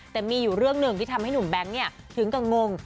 แต่มีอยู่เรื่องหนึ่งที่ทำให้หนุ่มแบงค์ถึงกับงง